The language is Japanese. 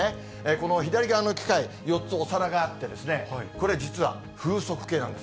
この左側の機械、４つお皿があってですね、これ、実は風速計なんです。